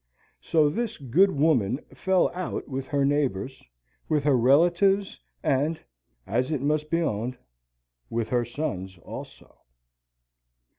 So this good woman fell out with her neighbours, with her relatives, and, as it must be owned, with her sons also.